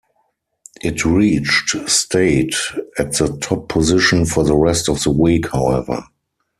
It reached stayed at the top position for the rest of the week, however.